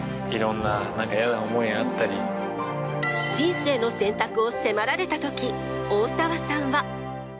人生の選択を迫られたとき大沢さんは。